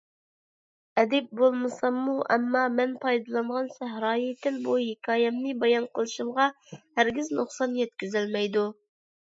ئەدىب بولمىساممۇ، ئەمما مەن پايدىلانغان سەھرايى تىل بۇ ھېكايەمنى بايان قىلىشىمغا ھەرگىز نۇقسان يەتكۈزەلمەيدۇ.